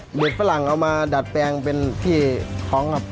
เด็กฝรั่งเอามาดัดแปลงเป็นที่ท้องครับ